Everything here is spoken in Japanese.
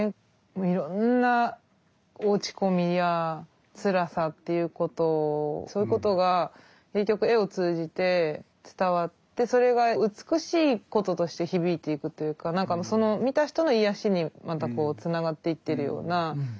いろんな落ち込みやつらさっていうことをそういうことが結局絵を通じて伝わってそれが美しいこととして響いていくというか見た人の癒やしにまたこうつながっていってるような。